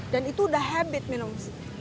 dan itu udah habit minum susu